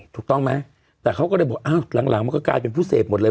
ถูกต้องไหมแต่เขาก็เลยบอกอ้าวหลังมันก็กลายเป็นผู้เสพหมดเลย